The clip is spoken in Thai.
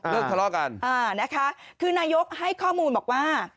ทะเลาะกันอ่านะคะคือนายกให้ข้อมูลบอกว่า